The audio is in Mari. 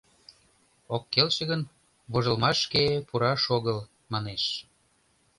Ок келше гын, вожылмашке пураш огыл, манеш.